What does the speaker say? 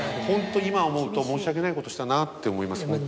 ホント今思うと申し訳ないことしたなって思います。